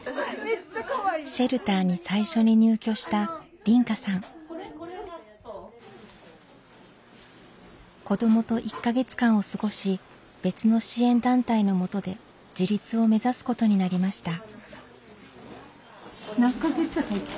シェルターに最初に入居した子どもと１か月間を過ごし別の支援団体のもとで自立を目指すことになりました。